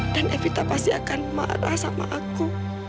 dan evita pasti akan marah sama aku